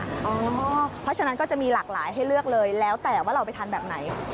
เพราะฉะนั้นก็จะมีหลากหลายให้เลือกเลยแล้วแต่ว่าเราไปทานแบบไหน